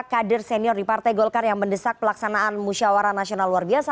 kader senior di partai golkar yang mendesak pelaksanaan musyawara nasional luar biasa